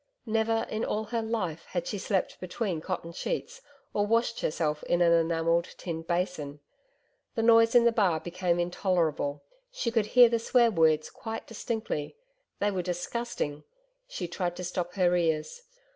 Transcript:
Never in all her life had she slept between cotton sheets or washed herself in an enamelled tin basin. The noise in the bar became intolerable. She could hear the swear words quite distinctly. They were disgusting. She tried to stop her ears